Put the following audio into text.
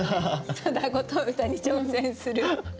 「ただごと歌」に挑戦する。